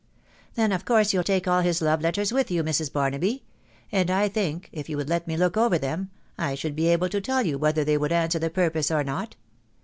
'*" Then of course you'll take all his love letters with yea, Mrs. Barnaby ; and I think, if you would let me look am them, I should be able to tell you whether they would the purpose or not.